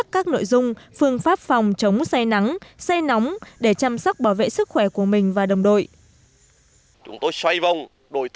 các nội dung phương pháp phòng chống say nắng say nóng để chăm sóc bảo vệ sức khỏe của mình và đồng đội